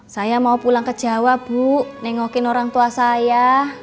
saya mau pulang ke jawa bu nengokin orang tua saya